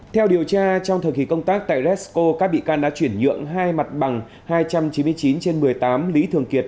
theo điều tra trong thời kỳ công tác tại resco các bị can đã chuyển nhượng hai mặt bằng hai trăm chín mươi chín trên một mươi tám lý thường kiệt